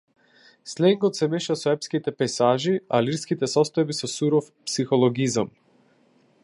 Сленгот се меша со епските пејзажи, а лирските состојби со суров психологизам.